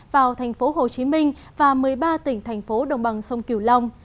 vào tp hcm và một mươi ba tỉnh thành phố đồng bằng sông kiều long